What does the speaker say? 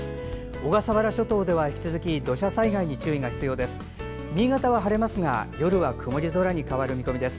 小笠原諸島では引き続き土砂災害に注意が必要です。